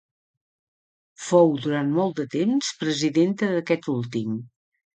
Fou durant molt de temps presidenta d'aquest últim.